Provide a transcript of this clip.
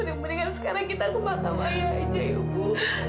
mending mendingan sekarang kita ke makam ayah aja ibu